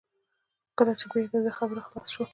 کله چې بیا د ده خبره خلاصه شول.